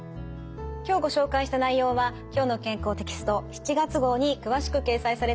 今日ご紹介した内容は「きょうの健康」テキスト７月号に詳しく掲載されています。